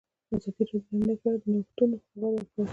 ازادي راډیو د امنیت په اړه د نوښتونو خبر ورکړی.